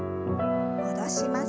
戻します。